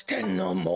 もう。